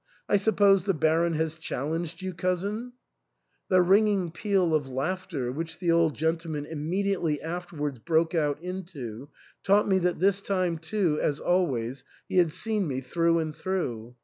I suppose the Baron has challenged you, cousin ?" The ringing peal of laughter which the old gentleman im mediately afterwards broke out into taught me that this time too, as always, he had seen me through and through.